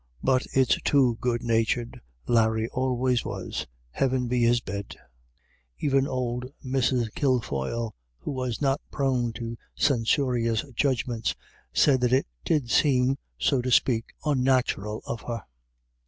But it's too good natured Larry always was — Heaven be his bed !" Even old Mrs. Kilfoyle, who was not prone to censorious judgments, said that it did seem, so to spake, onnatural of her.